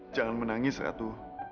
jangan menangis ratu